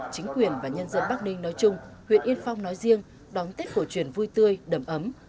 chính quyền và nhân dân bắc ninh nói chung huyện yên phong nói riêng đón tết cổ truyền vui tươi đầm ấm